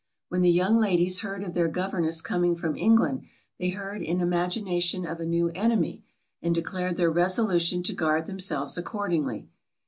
When the young ladies heard of their governess coming from England, they heard in imagination of a new enemy, and declared their resolution to guard themselves accordingly.